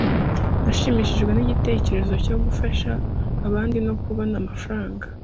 Nashimishijwe nigitekerezo cyo gufasha abandi no kubona amafaranga.